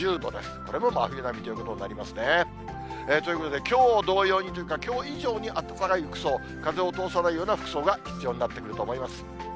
これも真冬並みということになりますね。ということで、きょう同様にというか、きょう以上に暖かい服装、風を通さないような服装が必要になってくると思います。